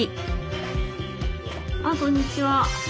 あっこんにちは。